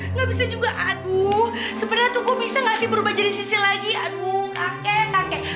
hah gak bisa juga aduh sebenernya tuh kok bisa gak sih berubah jadi sisih lagi aduh kakek kakek